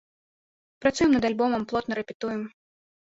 Працуем над альбомам, плотна рэпетуем.